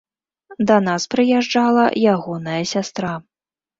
Да нас прыязджала ягоная сястра.